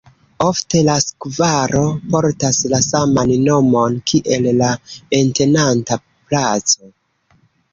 Ofte la skvaro portas la saman nomon kiel la entenanta placo.